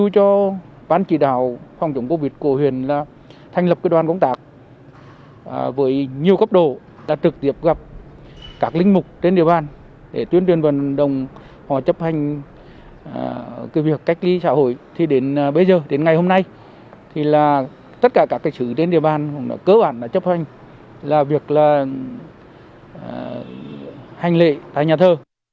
cơ bản chấp hành là việc hành lệ tại nhà thơ